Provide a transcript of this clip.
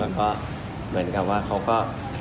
แล้วก็เหมือนกับว่าเขาก็